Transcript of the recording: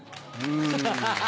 ハハハ。